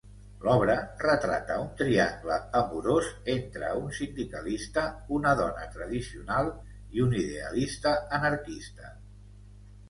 L'obra retrata un triangle amorós entre un sindicalista, una dona tradicional i un idealista anarquista.